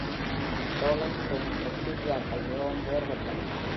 Dehalorespiring பாக்டீரியாக்கள் மிகவும் வேறுபட்டவை.